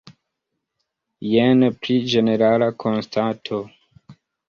Jen pli ĝenerala konstato.